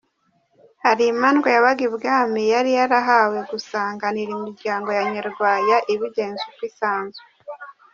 Hari imandwa yabaga ibwami yari yarahawe gusanganira iminyago ya Nyarwaya ibigenza uko isanzwe.